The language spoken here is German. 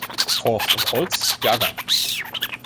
Forst Und Holz, Jg.